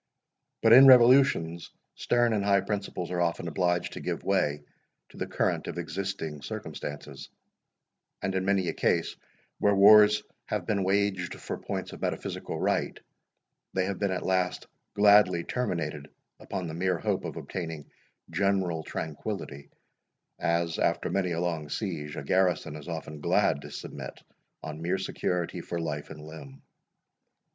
But in revolutions, stern and high principles are often obliged to give way to the current of existing circumstances; and in many a case, where wars have been waged for points of metaphysical right, they have been at last gladly terminated, upon the mere hope of obtaining general tranquillity, as, after many a long siege, a garrison is often glad to submit on mere security for life and limb.